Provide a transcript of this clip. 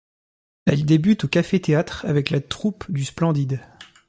Elle débute au café-théâtre, avec la troupe du Splendid.